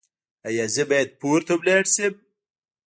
ایا زه باید پورته لاړ شم؟